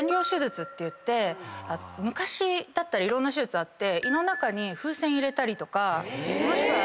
昔だったらいろんな手術あって。